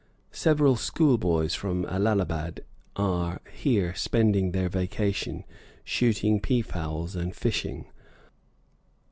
Several school boys from Allahabad are here spending their vacation, shooting peafowls and fishing.